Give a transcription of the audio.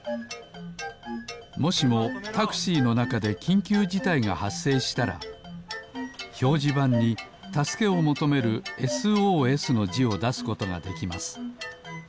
もしもタクシーのなかできんきゅうじたいがはっせいしたらひょうじばんにたすけをもとめるＳＯＳのじをだすことができます。